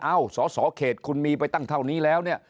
เอ้าสสเขตคุณมีไปตั้งเท่านี้แล้ว